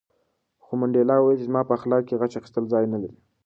خو منډېلا وویل چې زما په اخلاقو کې غچ اخیستل ځای نه لري.